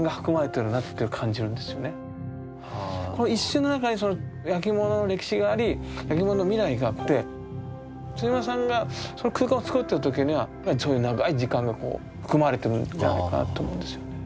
この一瞬の中にその焼き物の歴史があり焼き物の未来があって村さんがその空間を作ってる時にはそういう長い時間が含まれてるんじゃないかなと思うんですよね。